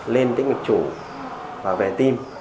đến ngực chủ và về tim